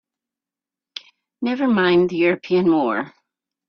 Never mind the European war!